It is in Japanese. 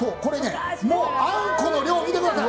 あんこの量見てください。